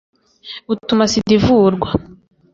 butuma sida ivurwa.